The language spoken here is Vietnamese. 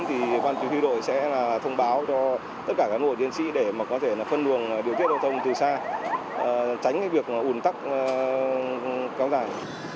thì quan chức thi đổi sẽ thông báo cho tất cả các nguồn chiến sĩ để có thể phân luồng điều kiện đông thông từ xa tránh việc ủn tắc cao ràng